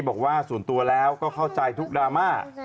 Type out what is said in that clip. บอกว่าส่วนตัวแล้วก็เข้าใจทุกดราม่า